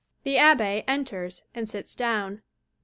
(The ABBÉ enters and sits down.)